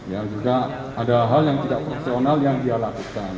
ya juga ada hal yang tidak proporsional yang dia lakukan